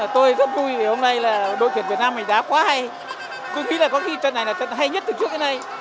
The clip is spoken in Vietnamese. tôi rất vui vì hôm nay là đội tuyển việt nam mình đã quá hay tôi nghĩ là có khi trận này là trận hay nhất từ trước đến nay